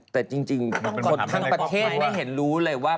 แต่จริงคนทั้งประเทศไม่เห็นรู้เลยว่า